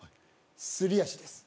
すり足です